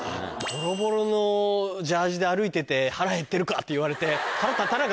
ボロボロのジャージーで歩いてて。って言われて。